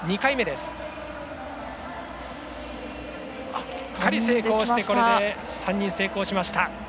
しっかり成功してこれで３人成功。